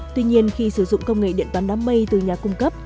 tuy nhiên khi sử dụng công nghệ điện toán đám mây từ nhà cung cấp